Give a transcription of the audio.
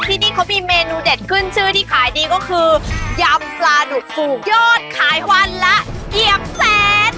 ที่นี่เขามีเมนูเด็ดขึ้นชื่อที่ขายดีก็คือยำปลาดุกฟูกยอดขายวันละเกือบแสน